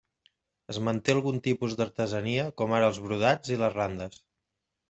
Es manté algun tipus d'artesania com ara els brodats i les randes.